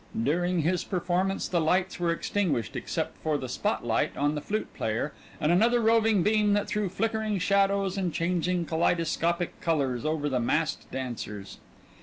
During his performance the lights were extinguished except for the spotlight on the flute player and another roving beam that threw flickering shadows and changing kaleidoscopic colors over the massed dancers.